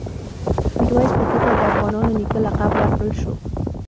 میرویس نیکه ته د “افغانانو نیکه” لقب ورکړل شو.